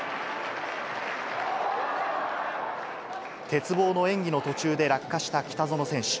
鉄棒の演技の途中で落下した北園選手。